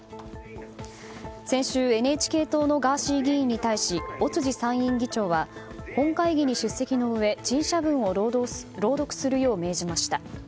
先週ＮＨＫ党のガーシー議員に対し尾辻参院議長は本会議に出席のうえ陳謝文を朗読するよう命じました。